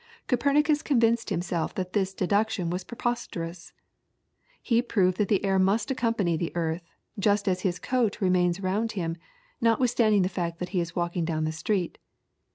Copernicus convinced himself that this deduction was preposterous. He proved that the air must accompany the earth, just as his coat remains round him, notwithstanding the fact that he is walking down the street.